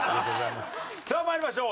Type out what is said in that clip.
さあ参りましょう。